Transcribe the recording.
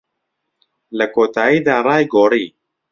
لە کۆتاییدا، ڕای گۆڕی.